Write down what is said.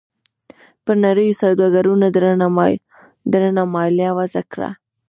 پر نویو سوداګرو درنه مالیه وضعه کړه.